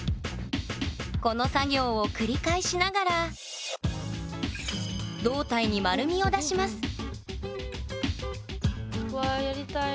この作業を繰り返しながら胴体に丸みを出しますやりたい。